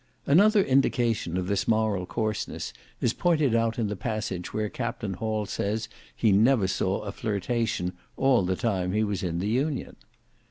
Another indication of this moral coarseness is pointed out in the passage where Capt. Hall says, he never saw a flirtation all the time he was in the Union.